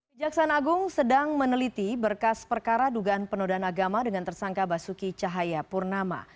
kejaksaan agung sedang meneliti berkas perkara dugaan penodan agama dengan tersangka basuki cahaya purnama